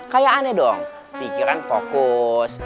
kayak aneh dong pikiran fokus